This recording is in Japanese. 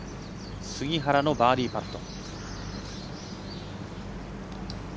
杉原のバーディーパット。